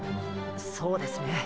そうですね。